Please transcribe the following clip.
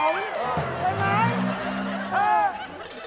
ใช่มั้ย